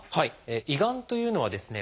胃がんというのはですね